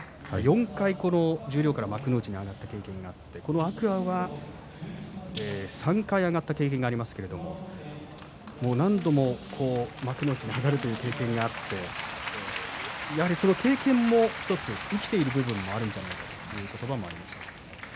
４回十両から幕内に上がった経験がありますが天空海は３回上がった経験がありますけれども何度も幕内に上がるという経験があってその経験が生きているということもあるんじゃないかという言葉がありました。